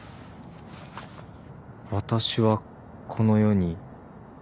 「私は」「この世」「に」